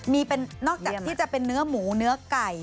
มีเป็นนอกจากที่จะเป็นเนื้อหมูเนื้อไก่